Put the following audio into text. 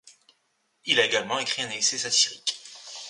Il a également écrit un essai satirique.